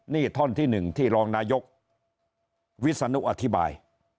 นี่ท่อนที่๑ที่รองนายกวิศนุอธิบาย